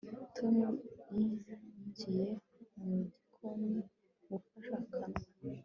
Tom yinjiye mu gikoni gushaka ikawa